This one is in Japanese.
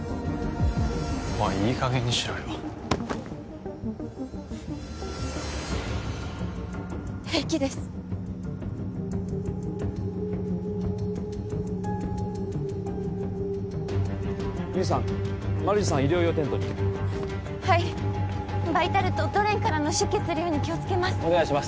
おいいい加減にしろよ平気ですミンさんマルジさんを医療用テントにはいバイタルとドレーンからの出血量に気をつけますお願いします